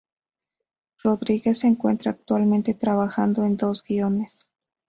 Rodriguez se encuentra actualmente trabajando en dos guiones.